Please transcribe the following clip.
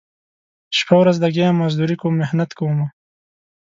شپه ورځ لګیا یم مزدوري کوم محنت کومه